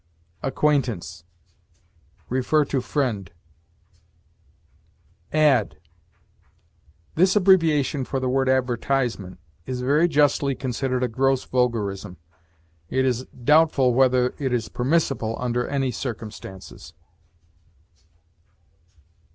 ACQUAINTANCE. See FRIEND. AD. This abbreviation for the word advertisement is very justly considered a gross vulgarism. It is doubtful whether it is permissible under any circumstances.